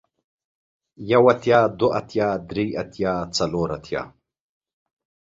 يو اتيا ، دوه اتيا ، دري اتيا ، څلور اتيا ،